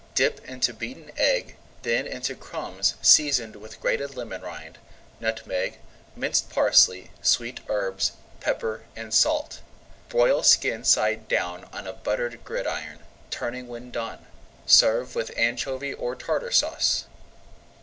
Dip into beaten egg, then into [Page 114] crumbs seasoned with grated lemon rind, nutmeg, minced parsley, sweet herbs, pepper, and salt. Broil skin side down on a buttered gridiron, turning when done. Serve with Anchovy or Tartar Sauce.